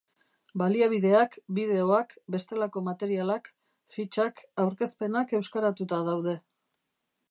Baliabideak, bideoak, bestelako materialak, fitxak, aurkezpenak euskaratuta daude.